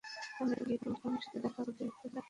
আমি কী পুনামের সাথে দেখা করতে পারি, চাচা?